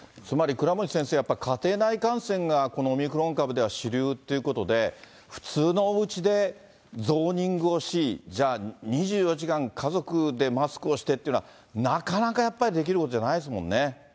つまり倉持先生、やっぱり家庭内感染がこのオミクロン株では主流ということで、普通のおうちでゾーニングをし、じゃあ、２４時間家族でマスクをしてっていうのは、なかなかやっぱりできることじゃないですもんね。